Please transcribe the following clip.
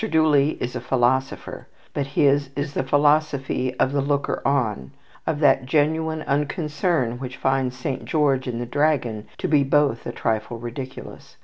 Dooley is a philosopher, but his is the philosophy of the looker on, of that genuine unconcern which finds Saint George and the dragon to be both a trifle ridiculous.